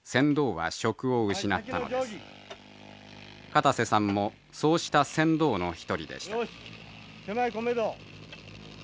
片瀬さんもそうした船頭の一人でした。